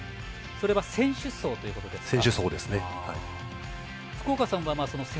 それは選手層ということですか。